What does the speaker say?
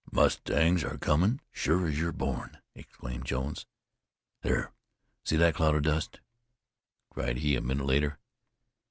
"The mustangs are coming, sure as you're born!" exclaimed Jones. "There I see the cloud of dust!" cried he a minute later.